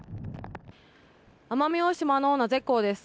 奄美大島の名瀬港です。